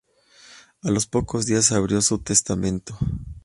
A los pocos días, se abrió su testamento.